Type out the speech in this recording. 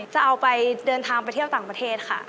จะเอาไปเดินทางไปเที่ยวต่างประเทศค่ะ